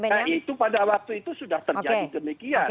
nah itu pada waktu itu sudah terjadi demikian